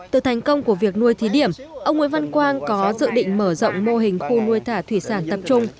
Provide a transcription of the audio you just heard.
từ thành công của việc nuôi thí điểm ông nguyễn văn quang có dự định mở rộng mô hình khu nuôi thả thủy sản tập trung